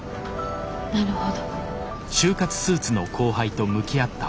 なるほど。